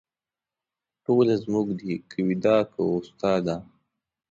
ټوله زموږ دي که ویدا که اوستا ده